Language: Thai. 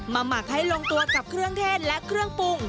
หมักให้ลงตัวกับเครื่องเทศและเครื่องปรุง